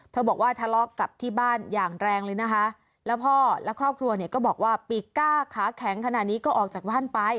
บอกว่าทะเลาะกับที่บ้านอย่างแรงเลยนะคะแล้วพ่อและครอบครัวเนี่ยก็บอกว่าปีกก้าขาแข็งขนาดนี้ก็ออกจากบ้านไป